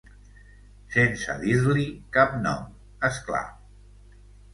Sense dir-li cap nom, esclar.